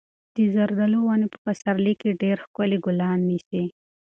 د زردالو ونې په پسرلي کې ډېر ښکلي ګلان نیسي.